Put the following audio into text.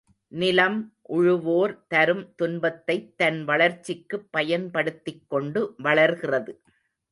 நிலம், உழுவோர் தரும் துன்பத்தைத் தன் வளர்ச்சிக்குப் பயன்படுத்திக் கொண்டு வளர்கிறது.